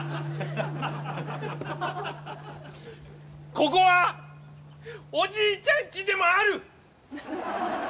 ここはおじいちゃんちでもある！